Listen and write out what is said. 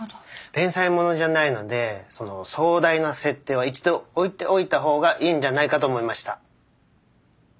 連載ものじゃないのでその壮大な設定は一度おいておいたほうがいいんじゃないかと思いました。